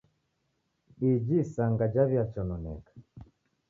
Iji isanga jaw'iachanoneka.